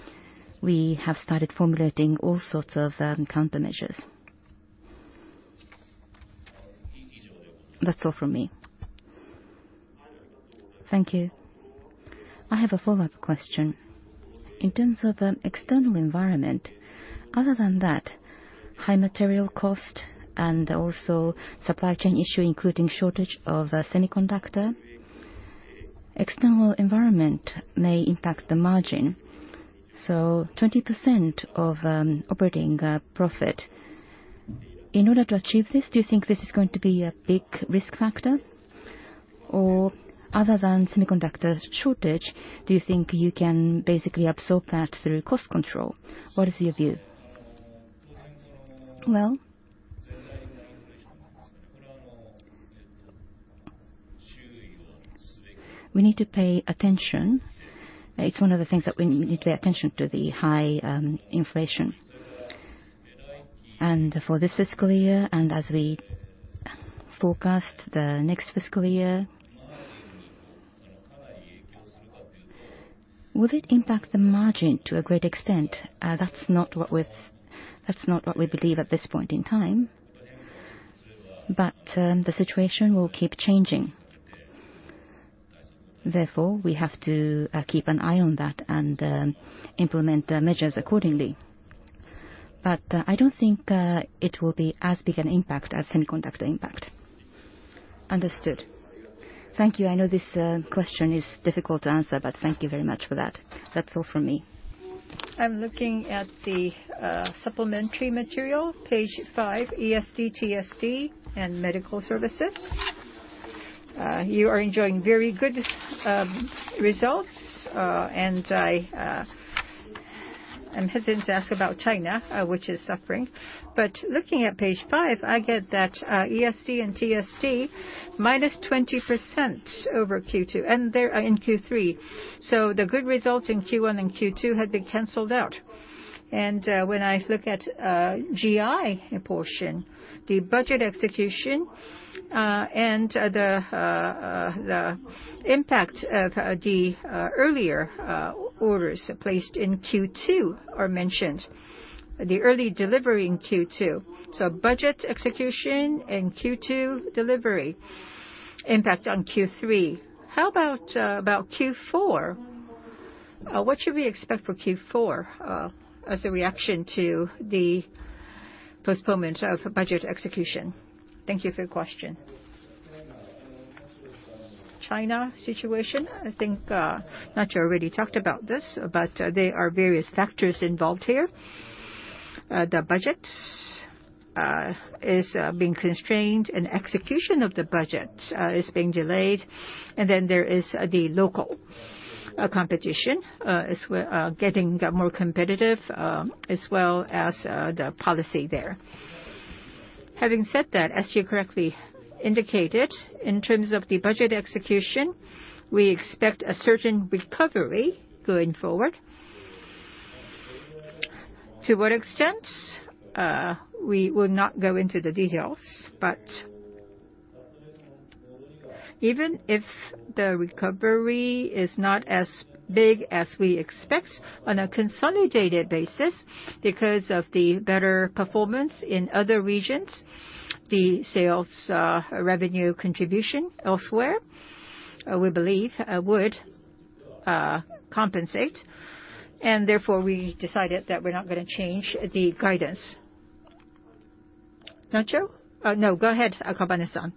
we have started formulating all sorts of countermeasures. That's all from me. Thank you. I have a follow-up question. In terms of external environment, other than that, high material cost and also supply chain issue, including shortage of semiconductor, external environment may impact the margin. So, 20% of operating profit. In order to achieve this, do you think this is going to be a big risk factor? Or other than semiconductor shortage, do you think you can basically absorb that through cost control? What is your view? Well, we need to pay attention. It's one of the things that we need to pay attention to, the high inflation. For this fiscal year, and as we forecast the next fiscal year, would it impact the margin to a great extent? That's not what we believe at this point in time. The situation will keep changing. Therefore, we have to keep an eye on that and implement the measures accordingly. I don't think it will be as big an impact as semiconductor impact. Understood. Thank you. I know this question is difficult to answer, but thank you very much for that. That's all from me. I'm looking at the supplementary material, page five, ESD, TSD, and medical services. You are enjoying very good results. I'm hesitant to ask about China, which is suffering. Looking at page five, I get that ESD and TSD -20% over Q2. They're in Q3. The good results in Q1 and Q2 have been canceled out. When I look at GI portion, the budget execution and the impact of the earlier orders placed in Q2 are mentioned. The early delivery in Q2. Budget execution and Q2 delivery impact on Q3. How about Q4? What should we expect for Q4 as a reaction to the postponement of budget execution? Thank you for your question. China situation, I think, Nacho already talked about this, but there are various factors involved here. The budgets is being constrained and execution of the budget is being delayed. Then there is the local competition, as we are getting more competitive, as well as the policy there. Having said that, as you correctly indicated, in terms of the budget execution, we expect a certain recovery going forward. To what extent we will not go into the details. Even if the recovery is not as big as we expect on a consolidated basis because of the better performance in other regions, the sales revenue contribution elsewhere we believe would compensate. Therefore, we decided that we're not gonna change the guidance. Nacho? No, go ahead, Akabane-san.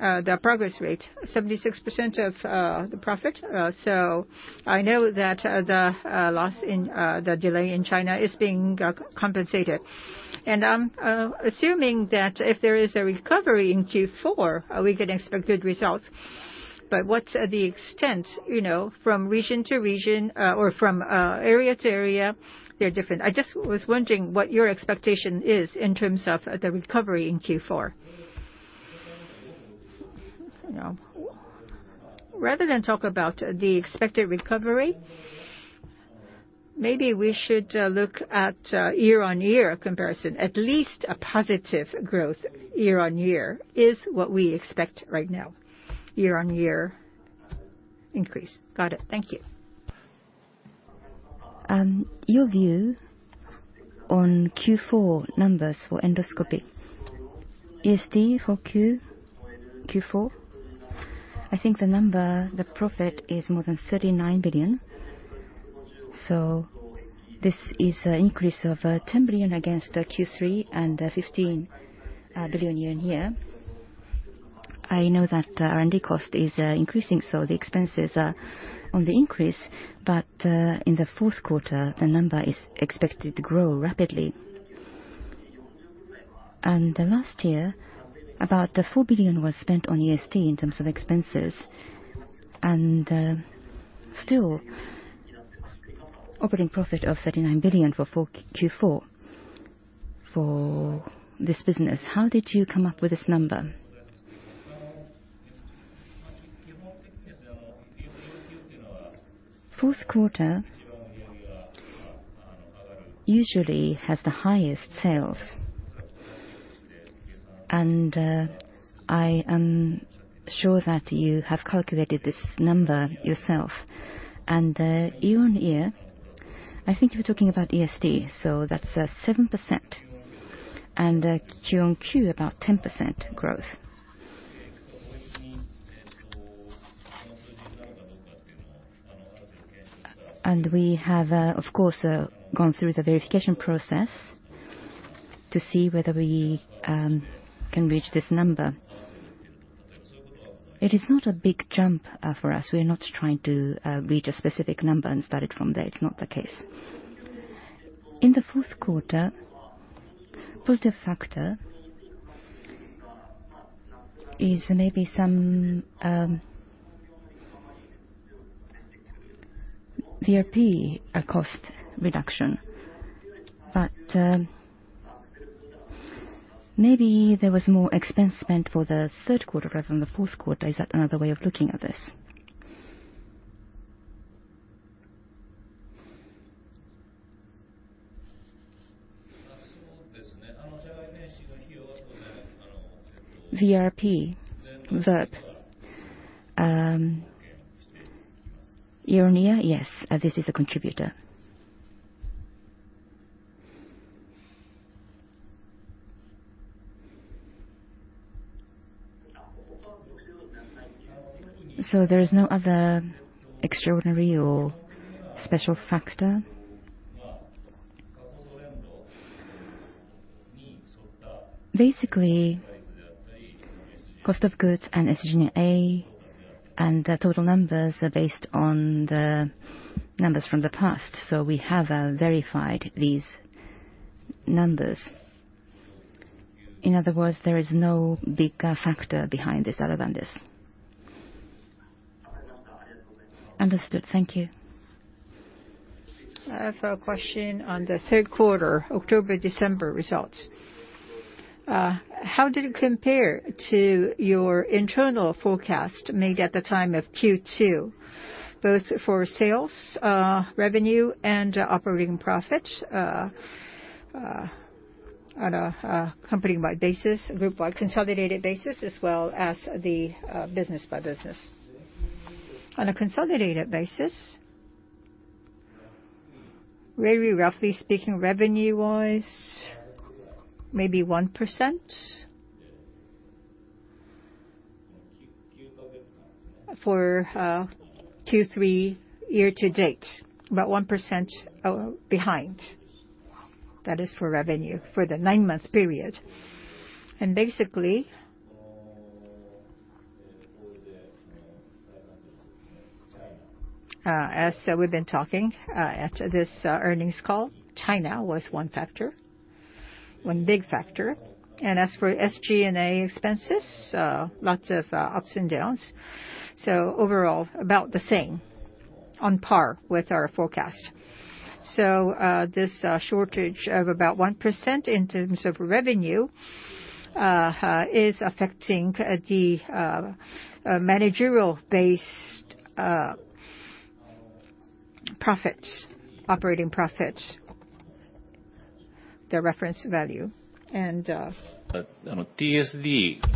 The progress rate, 76% of the profit. So I know that the loss in the delay in China is being compensated. Assuming that if there is a recovery in Q4, are we gonna expect good results? What's the extent, you know, from region to region, or from area to area they're different. I just was wondering what your expectation is in terms of the recovery in Q4. You know, rather than talk about the expected recovery, maybe we should look at year-on-year comparison. At least a positive growth year-on-year is what we expect right now, year-on-year increase. Got it. Thank you. Your view on Q4 numbers for endoscopy. ESD for Q4, I think the number, the profit is more than 39 billion. This is an increase of 10 billion against the Q3 and 15 billion year-on-year. I know that R&D cost is increasing, so the expenses are on the increase. In the fourth quarter, the number is expected to grow rapidly. The last year, about 4 billion was spent on ESD in terms of expenses and still operating profit of 39 billion for Q4 for this business. How did you come up with this number? Fourth quarter usually has the highest sales. I am sure that you have calculated this number yourself. Year-on-year, I think you're talking about ESD, so that's 7% and Q-on-Q about 10% growth. We have, of course, gone through the verification process to see whether we can reach this number. It is not a big jump for us. We are not trying to reach a specific number and start it from there. It's not the case. In the fourth quarter, positive factor is maybe some VRP cost reduction. But maybe there was more expense spent for the third quarter rather than the fourth quarter. Is that another way of looking at this? VRP. Year-on-year, yes, this is a contributor. So, there is no other extraordinary or special factor. Basically, cost of goods and SG&A and the total numbers are based on the numbers from the past. So, we have verified these numbers. In other words, there is no big factor behind this other than this. Understood. Thank you. I have a question on the third quarter, October-December results. How did it compare to your internal forecast made at the time of Q2, both for sales, revenue, and operating profits, on a company-wide basis, group-wide, consolidated basis, as well as the business by business? On a consolidated basis, very roughly speaking, revenue-wise, maybe 1%. For Q3 year to date, about 1% behind. That is for revenue for the nine-month period. Basically, as we've been talking, at this earnings call, China was one factor, one big factor. As for SG&A expenses, lots of ups and downs, so overall about the same on par with our forecast. This shortage of about 1% in terms of revenue is affecting the management-based profits, operating profits, the reference value. TSD.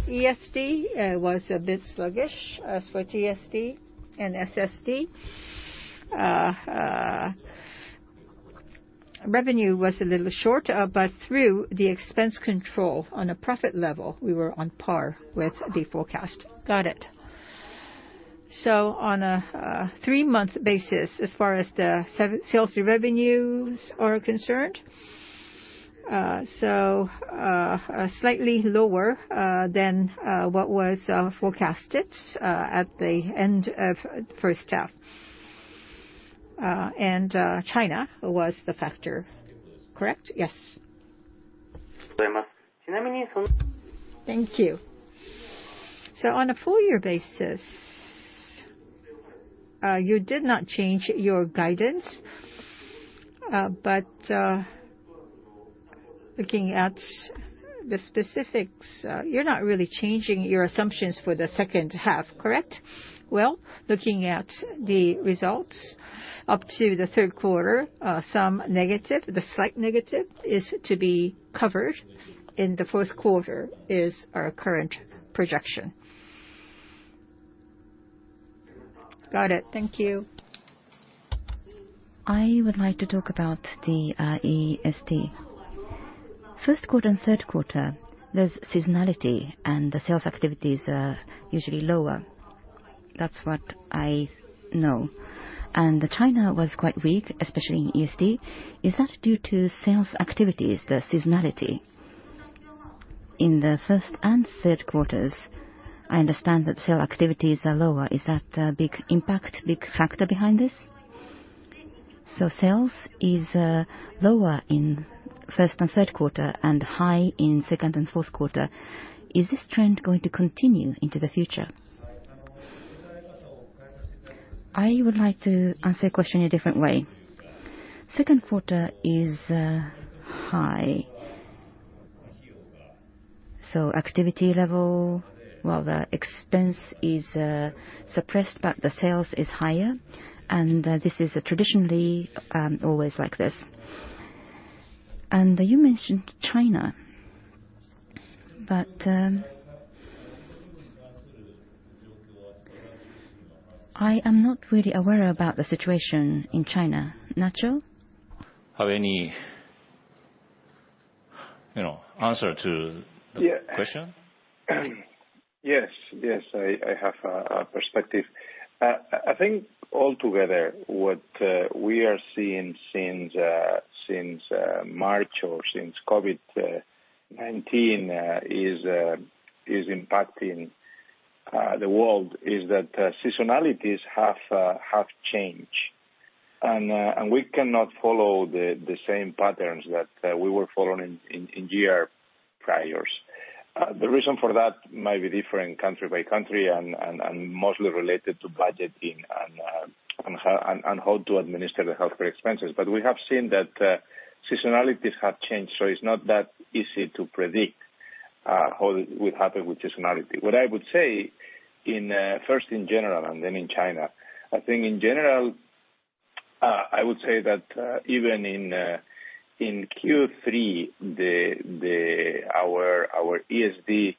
ESD was a bit sluggish. As for TSD and SSD, revenue was a little short, but through the expense control on a profit level, we were on par with the forecast. Got it. On a three-month basis as far as the sales revenues are concerned, so slightly lower than what was forecasted at the end of H1. China was the factor, correct? Yes. Thank you. On a full year basis, you did not change your guidance. Looking at the specifics, you're not really changing your assumptions for the H2, correct? Well, looking at the results up to the third quarter, the slight negative is to be covered in the fourth quarter, is our current projection. Got it. Thank you. I would like to talk about the ESD. First quarter and third quarter, there's seasonality and the sales activities are usually lower. That's what I know. China was quite weak, especially in ESD. Is that due to sales activities, the seasonality? In the first and third quarters, I understand that sales activities are lower. Is that a big impact, big factor behind this? Sales is lower in first and third quarter and high in second and fourth quarter. Is this trend going to continue into the future? I would like to answer your question in a different way. Second quarter is high. Activity level, while the expense is suppressed, but the sales is higher, and this is traditionally always like this. You mentioned China, but I am not really aware about the situation in China. Nacho. Have any, you know, answer to the question? Yes. I have a perspective. I think altogether, what we are seeing since March or since COVID-19 is impacting the world is that seasonalities have changed. We cannot follow the same patterns that we were following in prior years. The reason for that might be different country by country and mostly related to budgeting and how to administer the healthcare expenses. We have seen that seasonalities have changed, so it's not that easy to predict how it will happen with seasonality. What I would say first, in general and then in China. I think in general, I would say that even in Q3, the... Our ESD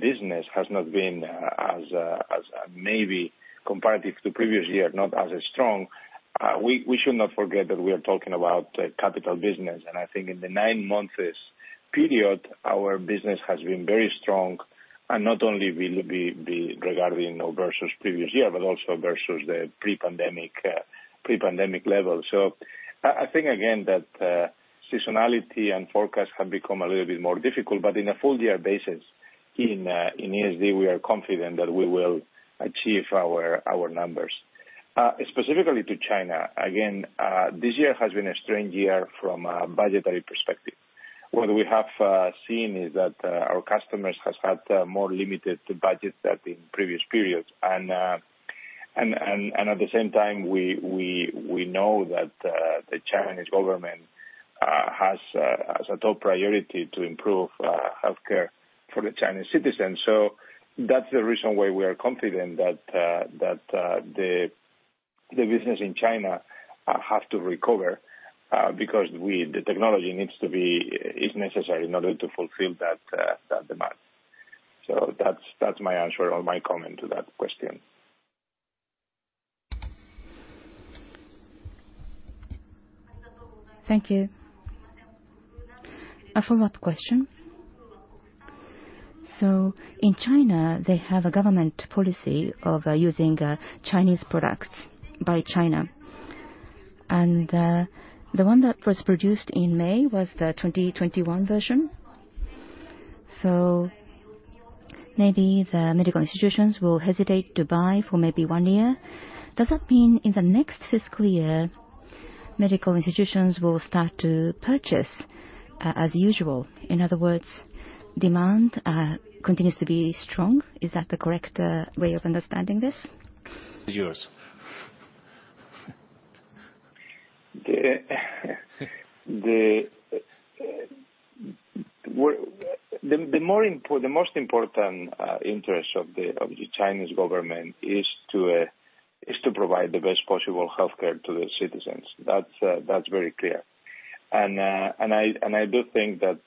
business has not been as maybe comparable to previous year, not as strong. We should not forget that we are talking about capital business. I think in the nine months period, our business has been very strong. Not only will it be regarding, you know, versus previous year, but also versus the pre-pandemic pre-pandemic level. I think again, that seasonality and forecast have become a little bit more difficult. In a full year basis in ESD, we are confident that we will achieve our numbers. Specifically, to China, again, this year has been a strange year from a budgetary perspective. What we have seen is that our customers has had more limited budgets than in previous periods. At the same time, we know that the Chinese government has as a top priority to improve healthcare for the Chinese citizens. That's the reason why we are confident that the business in China have to recover because the technology needs to be is necessary in order to fulfill that demand. That's my answer or my comment to that question. Thank you. A follow-up question. In China, they have a government policy of using Chinese products by China. The one that was produced in May was the 2021 version. Maybe the medical institutions will hesitate to buy for maybe one year. Does that mean in the next fiscal year, medical institutions will start to purchase as usual? In other words, demand continues to be strong. Is that the correct way of understanding this? Is yours. The most important interest of the Chinese government is to provide the best possible healthcare to the citizens. That's very clear. I do think that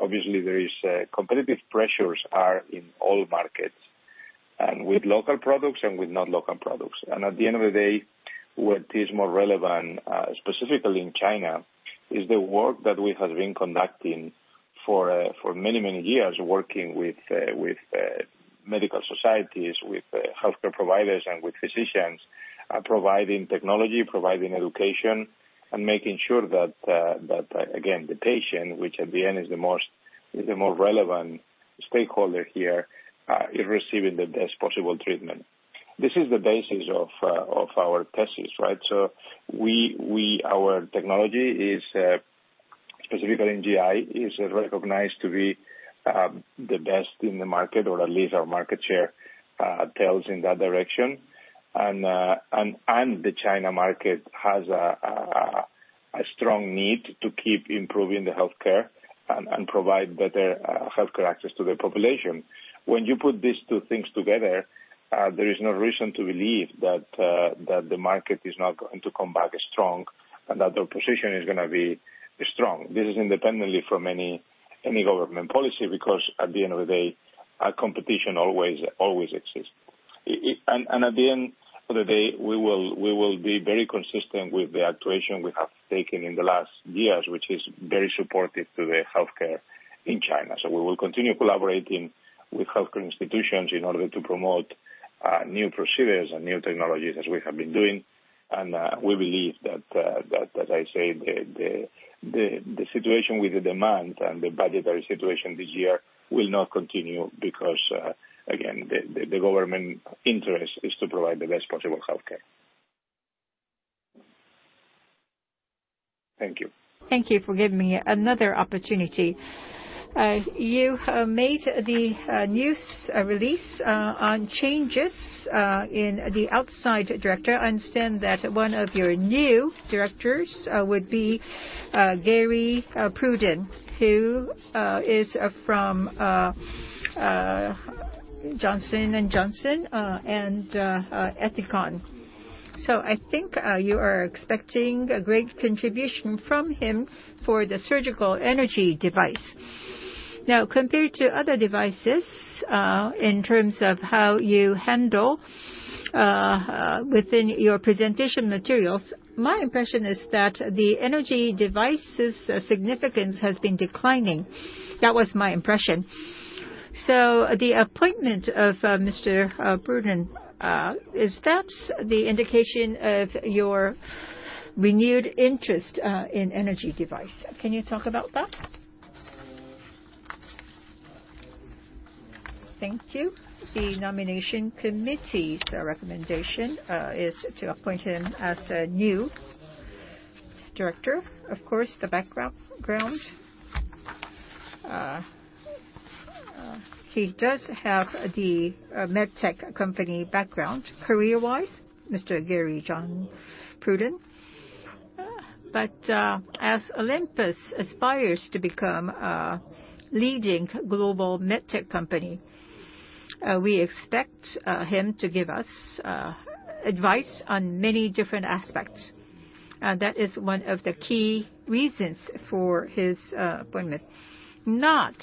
obviously there is competitive pressures are in all markets and with local products and with not local products. At the end of the day, what is more relevant specifically in China is the work that we have been conducting for many years working with medical societies, with healthcare providers and with physicians. Providing technology, providing education, and making sure that again, the patient, which at the end is the more relevant stakeholder here, is receiving the best possible treatment. This is the basis of our thesis, right? Our technology is specifically in GI, is recognized to be the best in the market, or at least our market share tells in that direction. The China market has a strong need to keep improving the healthcare and provide better healthcare access to the population. When you put these two things together, there is no reason to believe that the market is not going to come back strong and that our position is gonna be strong. This is independently from any government policy, because at the end of the day, competition always exists. At the end of the day, we will be very consistent with the actions we have taken in the last years, which is very supportive to the healthcare in China. We will continue collaborating with healthcare institutions in order to promote new procedures and new technologies as we have been doing. We believe that, as I say, the situation with the demand and the budgetary situation this year will not continue because, again, the government interest is to provide the best possible healthcare. Thank you. Thank you for giving me another opportunity. You made the news release on changes in the outside director. I understand that one of your new directors would be Gary Pruden, who is from Johnson & Johnson and Ethicon. I think you are expecting a great contribution from him for the surgical energy device. Now, compared to other devices, in terms of how you handle within your presentation materials, my impression is that the energy device's significance has been declining. That was my impression. The appointment of Mr. Pruden is that the indication of your renewed interest in energy device? Can you talk about that? Thank you. The nomination committee's recommendation is to appoint him as a new director. Of course, the background. He does have the med tech company background career-wise, Mr. Gary John Pruden. As Olympus aspires to become a leading global med tech company, we expect him to give us advice on many different aspects. That is one of the key reasons for his appointment. Not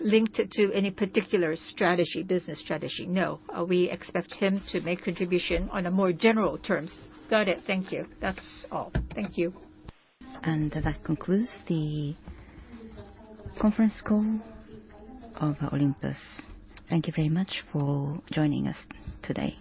linked to any particular strategy, business strategy, no. We expect him to make contribution on a more general terms. Got it. Thank you. That's all. Thank you. That concludes the conference call of Olympus. Thank you very much for joining us today.